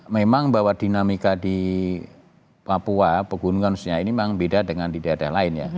memang bahwa dinamika di papua pegunungan sunya ini memang beda dengan di daerah lain ya